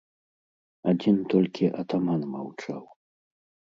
Адзін толькі атаман маўчаў.